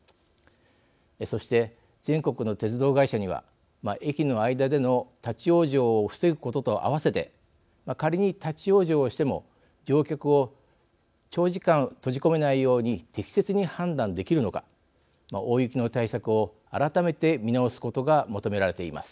そして、全国の鉄道会社には駅の間での立往生を防ぐことと併せて仮に立往生しても乗客を長時間閉じ込めないように適切に判断できるのか大雪の対策を改めて見直すことが求められています。